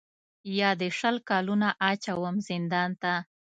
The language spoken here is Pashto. یا دي شل کلونه اچوم زندان ته